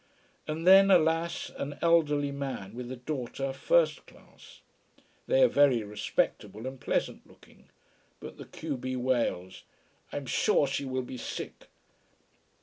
And then, alas, an elderly man with a daughter, first class. They are very respectable and pleasant looking. But the q b wails: "I'm sure she will be sick."